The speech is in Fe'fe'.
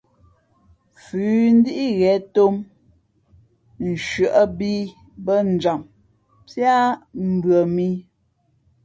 Fʉ̌ ndíʼ ghěn tōm, nshʉᾱ bī bᾱ njam píá mbʉα mǐ.